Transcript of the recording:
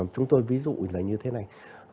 chúng tôi ví dụ là như thế này